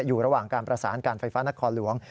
อยู่ระหว่างการประสานการไฟฟ้านครหลวง